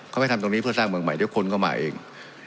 เขาไปทำตรงนี้เพื่อสร้างเมืองใหม่ด้วยคนเข้ามาเอง